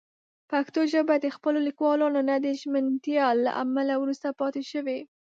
پښتو ژبه د خپلو لیکوالانو د نه ژمنتیا له امله وروسته پاتې شوې.